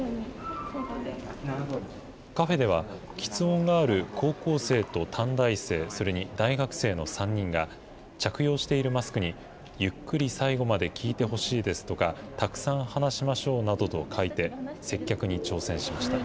カフェではきつ音がある高校生と短大生、それに大学生の３人が、着用しているマスクに、ゆっくり最後まで聞いてほしいですとか、たくさん話しましょうなどと書いて、接客に挑戦しました。